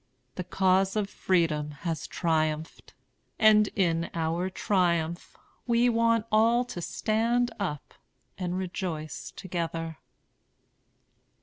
The cause of freedom has triumphed; and in our triumph we want all to stand up and rejoice together."